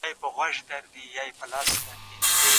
په غونډو کې د ملت په اړه ناسمي پرېکړې کېدې.